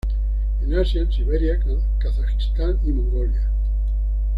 En Asia en Siberia, Kazajistán y Mongolia.